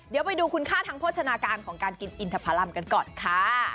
เดี๋ยวไปดูคุณค่าทางโภชนาการของการกินอินทพรรมกันก่อนค่ะ